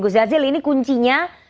gus jandilan ini kuncinya